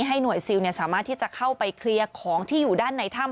หน่วยซิลสามารถที่จะเข้าไปเคลียร์ของที่อยู่ด้านในถ้ำ